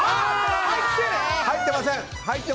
入ってません。